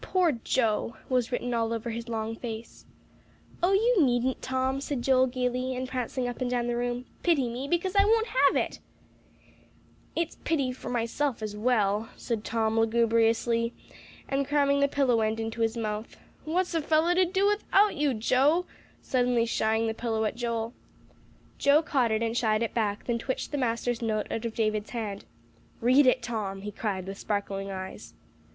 "Poor Joe!" was written all over his long face. "Oh, you needn't, Tom," said Joel gaily, and prancing up and down the room, "pity me, because I won't have it." "It's pity for myself as well," said Tom lugubriously, and cramming the pillow end into his mouth. "What's a fellow to do without you, Joe?" suddenly shying the pillow at Joel. Joe caught it and shied it back, then twitched the master's note out of David's hand. "Read it, Tom," he cried, with sparkling eyes.